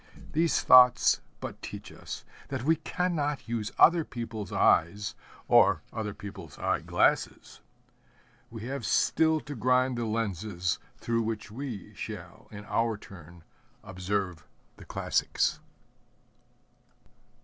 These thoughts but teach us that we cannot use other people's eyes or other people's eye glasses. We have still to grind the lenses through which we shall, in our turn, observe the classics.